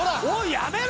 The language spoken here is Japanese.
やめろ！